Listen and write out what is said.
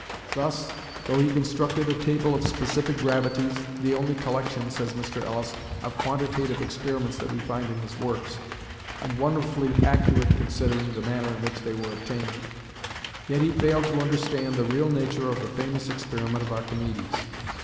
Thus, though he constructed a table of specific gravities "the only collection," says Mr. Ellis, "of quantitative experiments that we find in his works," and "wonderfully accurate considering the manner in which they were obtained;" yet he failed to understand the real nature of the famous experiment of Archimedes.